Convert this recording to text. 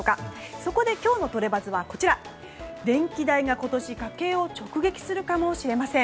そこで今日のトレバズは電気代が今年家計を直撃するかもしれません。